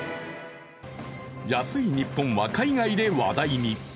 安い日本は海外で話題に。